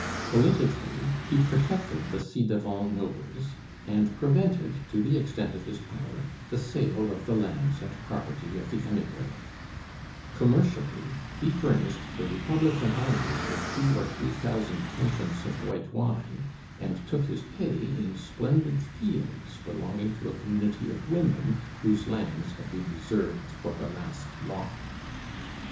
Politically, he protected the ci devant nobles, and prevented, to the extent of his power, the sale of the lands and property of the emigres; commercially, he furnished the Republican armies with two or three thousand puncheons of white wine, and took his pay in splendid fields belonging to a community of women whose lands had been reserved for the last lot.